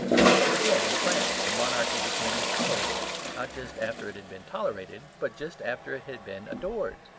So, again, in France the monarchy became intolerable, not just after it had been tolerated, but just after it had been adored.